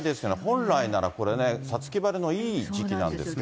本来ならこれね、五月晴れのいい時期なんですけれども。